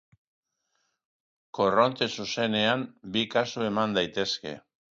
Korronte zuzenean bi kasu eman daitezke.